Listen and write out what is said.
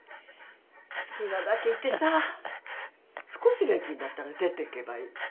好きなだけいてさ少し元気になったら出ていけばいい。